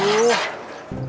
aduh aduh aduh